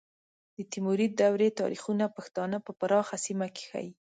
د تیموري دورې تاریخونه پښتانه په پراخه سیمه کې ښیي.